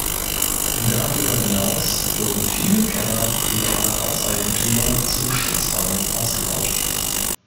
Darüber hinaus wurden viele Keller privater Hauseigentümer zu Schutzräumen ausgebaut.